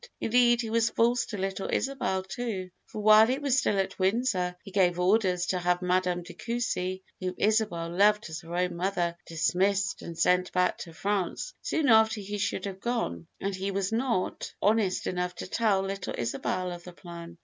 Indeed, he was false to little Isabel too, for while he was still at Windsor he gave orders to have Madame de Coucy, whom Isabel loved as her own mother, dismissed and sent back to France soon after he should have gone, and he was not honest enough to tell little Isabel of the plan.